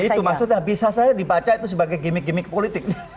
itu maksudnya bisa saja dibaca itu sebagai gimmick gimmick politik